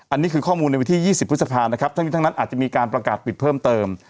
อันนี้คือข้อมูลในวันที่๒๐พฤษภานะครับทั้งนี้ทั้งนั้นอาจจะมีการประกาศปิดเพิ่มเติม